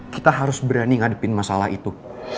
kita harus berani ngadepin masalah itu